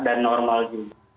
dan normal juga